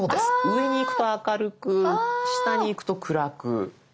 上にいくと明るく下にいくと暗く。